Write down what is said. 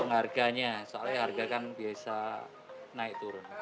harganya soalnya harga kan biasa naik turun